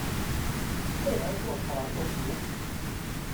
Ayɣer i tṛuḥem ɣer Tokyo?